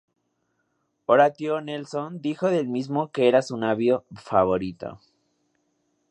Horatio Nelson dijo del mismo que era su navío favorito.